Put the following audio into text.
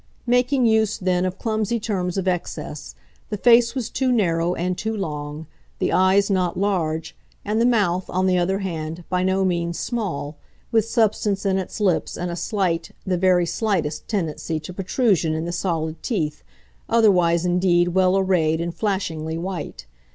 Making use then of clumsy terms of excess, the face was too narrow and too long, the eyes not large, and the mouth, on the other hand, by no means small, with substance in its lips and a slight, the very slightest, tendency to protrusion in the solid teeth, otherwise indeed well arrayed and flashingly white.